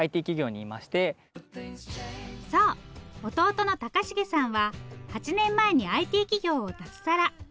そう弟の高成さんは８年前にＩＴ企業を脱サラ。